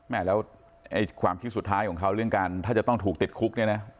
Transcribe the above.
แม่แล้วความคิดสุดท้ายของเขาเรื่องการถ้าจะต้องถูกติดคุกเนี่ยนะ